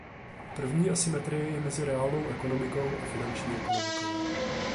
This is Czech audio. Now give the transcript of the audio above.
První asymetrie je mezi reálnou ekonomikou a finanční ekonomikou.